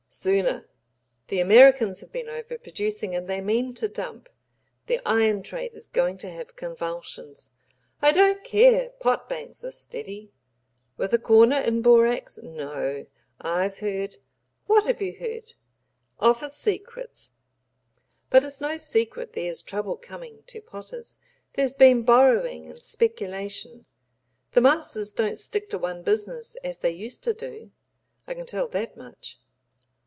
"Sooner. The Americans have been overproducing, and they mean to dump. The iron trade is going to have convulsions." "I don't care. Pot banks are steady." "With a corner in borax? No. I've heard—" "What have you heard?" "Office secrets. But it's no secret there's trouble coming to potters. There's been borrowing and speculation. The masters don't stick to one business as they used to do. I can tell that much.